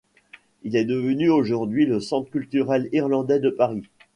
Il est devenu aujourd'hui le Centre culturel irlandais de Paris.